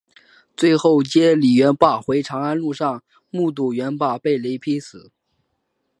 最后接李元霸回长安路上目睹元霸被雷劈死。